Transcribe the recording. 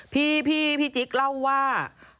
พี่จิ๊กเล่าว่า